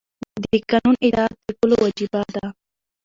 د قانون اطاعت د ټولو وجیبه ده.